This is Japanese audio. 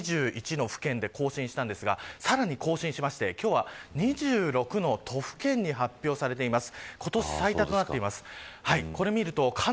これを見てみますと昨日新たに２１の府県で更新したんですがさらに更新しまして、今日は２６の都府県に発表されています。